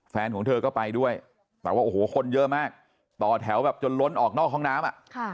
แฟนของเธอก็ไปด้วยแต่ว่าโอ้โหคนเยอะมากต่อแถวแบบจนล้นออกนอกห้องน้ำ